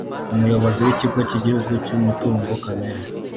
umuyobozi w’Ikigo cy’igihugu cy’umutungo kamere